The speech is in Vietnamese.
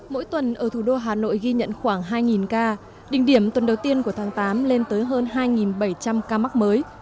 mỗi tuần ở thủ đô hà nội ghi nhận khoảng hai ca đỉnh điểm tuần đầu tiên của tháng tám lên tới hơn hai bảy trăm linh ca mắc mới